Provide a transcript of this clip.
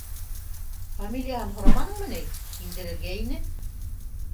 Фамилияһын һораманыңмы ни? Индерергә ине